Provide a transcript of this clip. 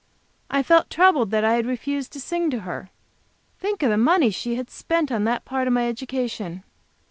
I felt troubled that I had refused to sing to her. Think of the money she had spent on that part of my education!